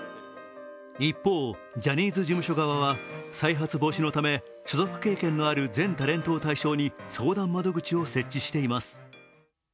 一方、ジャニーズ事務所側は再発防止のため所属経験のある全タレントを対象に相談窓口を設置しています。